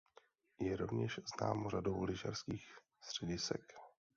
Je rovněž známo řadou lyžařských středisek.